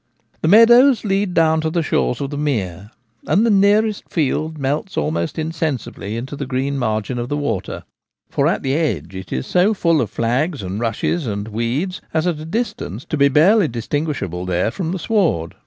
The meadows lead down to the shores of the mere, and the nearest fields melt almost insensibly into the green margin of the water, for at the edge it is so full of flags, and rushes, and weeds as at a distance to be barely distinguishable there from the sward.